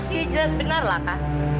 iya jelas benar lah kak